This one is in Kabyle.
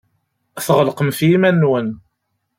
Tɣelqem ɣef yiman-nwen.